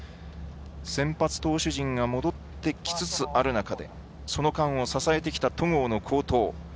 先発投手陣が戻ってきつつある中でその間を支えてきた戸郷の好投。